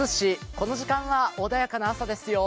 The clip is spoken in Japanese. この時間は穏やかな朝ですよ。